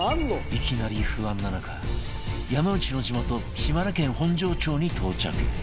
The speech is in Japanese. いきなり不安な中山内の地元島根県本庄町に到着